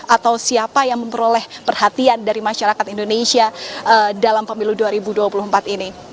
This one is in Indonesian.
atau siapa yang memperoleh perhatian dari masyarakat indonesia dalam pemilu dua ribu dua puluh empat ini